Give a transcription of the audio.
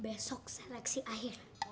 besok seleksi akhir